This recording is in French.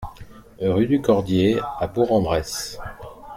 Rue du Cordier à Bourg-en-Bresse